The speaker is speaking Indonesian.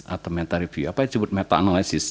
atau meta review apa yang disebut meta analisis